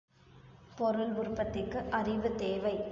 பொருள் உற்பத்திக்கு அறிவு தேவை.